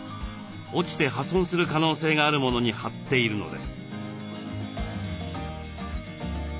落ちて破損する可能性があるものに貼っているのです。